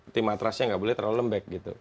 tim atrasnya nggak boleh terlalu lembek